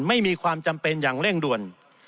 ไม่มีความจำเป็นอย่างเร่งด่วน